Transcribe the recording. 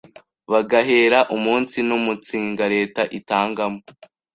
bagahera umunsi numunsinga Leta itangamo